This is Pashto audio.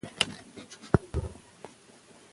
په لومړی قدم كې داسلامي حكومت پيژندنه